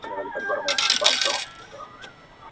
• زما گراني مهرباني گلي .